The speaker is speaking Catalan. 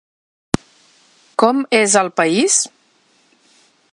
Com és el país?